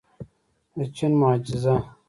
د چین معجزه.